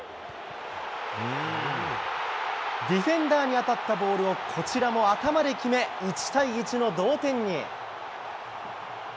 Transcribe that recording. ディフェンダーに当たったボールをこちらも頭で決め、１対１の同点に。